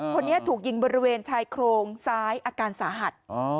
คนนี้ถูกยิงบริเวณชายโครงซ้ายอาการสาหัส